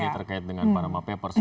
terkait dengan panama papers